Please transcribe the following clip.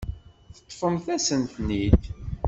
Teṭṭfemt-as-ten-id.